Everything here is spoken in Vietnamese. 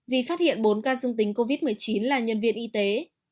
vì phát hiện bốn ca dương tính covid một mươi chín là nhân viên y tế